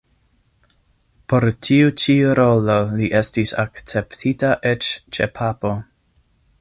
Por tiu ĉi rolo li estis akceptita eĉ ĉe papo.